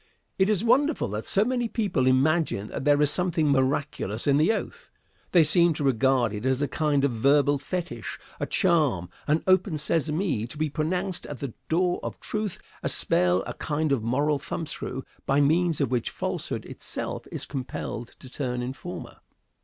It is wonderful that so many people imagine that there is something miraculous in the oath. They seem to regard it as a kind of verbal fetich, a charm, an "open sesame" to be pronounced at the door of truth, a spell, a kind of moral thumbscrew, by means of which falsehood itself is compelled to turn informer.